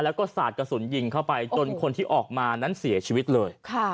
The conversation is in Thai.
แล้วก็สาดกระสุนยิงเข้าไปจนคนที่ออกมานั้นเสียชีวิตเลย